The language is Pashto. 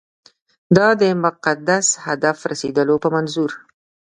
دا د مقدس هدف رسېدلو په منظور.